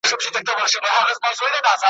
هر منزل ته ژړومه خپل پردېس خوږمن کلونه ,